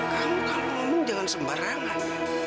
kamu kamu jangan sembarangan